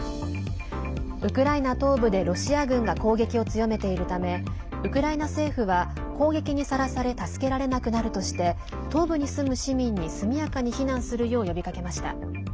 ウクライナ東部でロシア軍が攻撃を強めているためウクライナ政府は攻撃にさらされ助けられなくなるとして東部に住む市民に速やかに避難するよう呼びかけました。